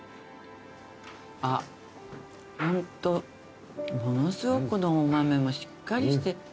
あっホントものすごくこのお豆もしっかりして。